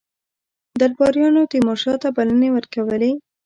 درباریانو تیمورشاه ته بلنې ورکولې.